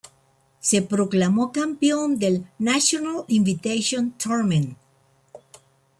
Se proclamó campeón del National Invitation Tournament.